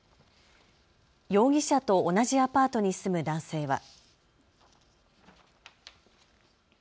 容疑者と同じアパートに住む男性は。